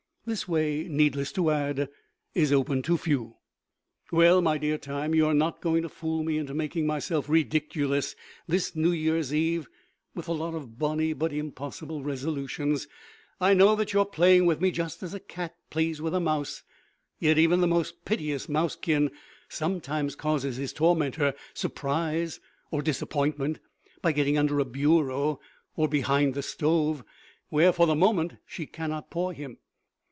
This way, needless to add, is open to few. Well, my dear Time, you are not going to fool me into making myself ridiculous this New Year's Eve with a lot of bonny but impossible resolutions. I know that you are playing with me just as a cat plays with a mouse; yet even the most piteous mousekin sometimes causes his tormentor surprise or disappointment by getting under a bureau or behind the stove, where, for the moment, she cannot paw him.